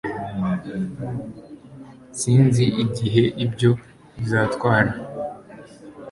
Sinzi igihe ibyo bizatwara